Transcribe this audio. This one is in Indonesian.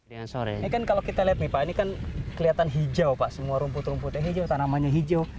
ini kan kalau kita lihat nih pak ini kan kelihatan hijau pak semua rumput rumputnya hijau tanamannya hijau